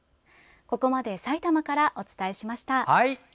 ここまでさいたまからお伝えしました。